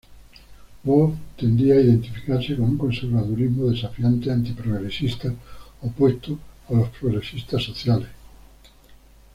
Waugh tendía a identificarse con un conservadurismo desafiante anti-progresista, opuesto a los progresistas sociales.